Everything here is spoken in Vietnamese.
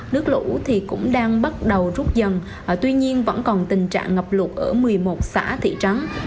nước lũ thì cũng đang bắt đầu rút dần tuy nhiên vẫn còn tình trạng ngập lụt ở một mươi một xã thị trắng